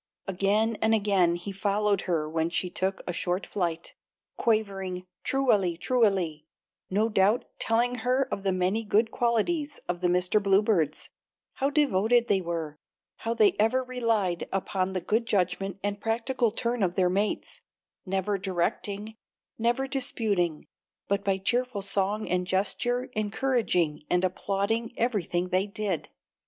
Again and again he followed her when she took a short flight, quavering tru al ly, tru al ly, no doubt telling her of the many good qualities of the Mr. Bluebirds, how devoted they were, how they ever relied upon the good judgment and practical turn of their mates, never directing, never disputing, but by cheerful song and gesture encouraging and applauding everything they did.